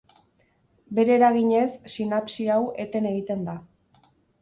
Bere eraginez, sinapsi hau eten egiten da.